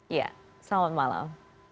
iya salam malam